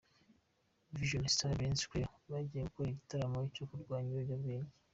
Vision Star Dance Crew bagiye gukora igitaramo cyo kurwanya ibiyobyabwenge.